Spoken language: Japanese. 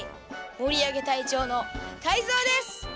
もりあげたいちょうのタイゾウです！